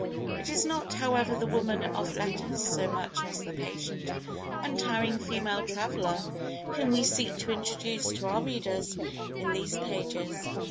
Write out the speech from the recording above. It is not, however, the woman of letters so much as the patient untiring female traveller whom we seek to introduce to our readers in these pages.